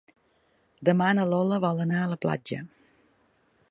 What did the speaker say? Demà na Lola vol anar a la platja.